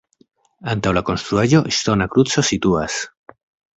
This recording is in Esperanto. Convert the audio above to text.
Antaŭ la konstruaĵo ŝtona kruco situas.